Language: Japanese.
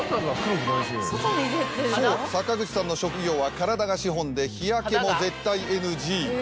そう坂口さんの職業は体が資本で日焼けも絶対ＮＧ。